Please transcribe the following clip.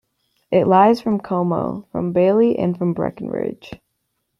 It lies from Como, from Bailey, and from Breckenridge.